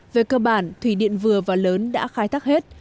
về cơ bản thủy điện vừa và lớn đã khai thác hết